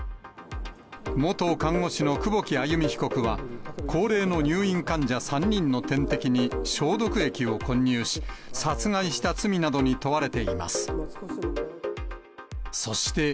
元看護師の久保木愛弓被告は、高齢の入院患者３人の点滴に消毒液を混入し、殺害した罪などに問われています。